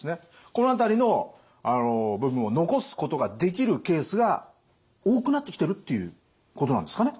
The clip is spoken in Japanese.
この辺りの部分を残すことができるケースが多くなってきてるっていうことなんですかね？